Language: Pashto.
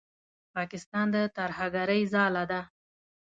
پاکستان د ترهګرۍ ځاله ده.